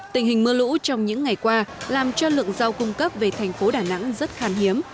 tình hình mưa lũ trong những ngày qua làm cho lượng dao cung cấp về thành phố đà nẵng rất khan hiếm